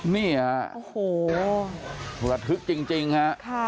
เนี่ยโอ้โหระทึกจริงฮะค่ะ